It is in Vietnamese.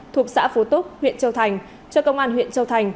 thuộc xã phú túc huyện châu thành cho công an huyện châu thành